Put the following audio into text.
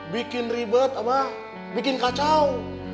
bikin ribet bikin kacau